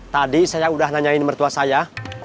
tadi saya sudah nanyain mertua saya